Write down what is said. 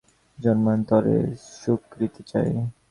জন্মজন্মান্তরের সুকৃতি চাই।